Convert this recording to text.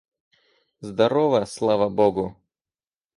Здорова, слава Богу.